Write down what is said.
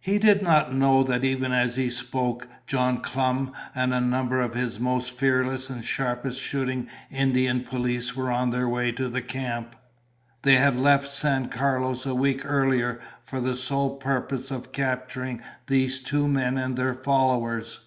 He did not know that even as he spoke, John Clum and a number of his most fearless and sharpest shooting Indian police were on their way to the camp. They had left San Carlos a week earlier for the sole purpose of capturing these two men and their followers.